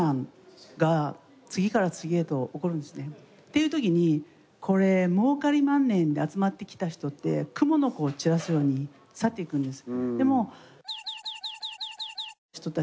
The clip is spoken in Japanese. いうときにこれ儲かりまんねんで集まってきた人って蜘蛛の子を散らすように去っていくんです。